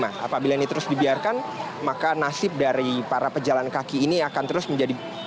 apabila ini terus dibiarkan maka nasib dari para pejalan kaki lima ini akan menjadi